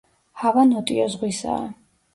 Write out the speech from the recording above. ჰავა ნოტიო ზღვისაა.